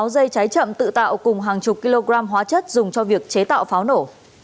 sáu dây cháy chậm tự tạo cùng hàng chục kg hóa chất dùng cho việc chế tạo pháo nổ